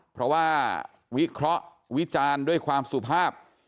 เพราะว่าวิเคราะห์วิจารณ์ด้วยความสุภาพ